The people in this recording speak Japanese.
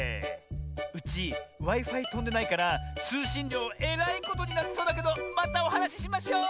うちＷｉ−Ｆｉとんでないからつうしんりょうえらいことになりそうだけどまたおはなししましょう！